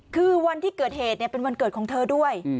คือวันที่เกิดเหตุเป็นวันเกิดของเธอด้วย